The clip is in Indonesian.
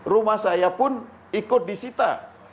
rumah saya pun ikut disita